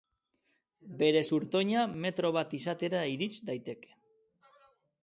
Bere zurtoina metro bat izatera irits daiteke.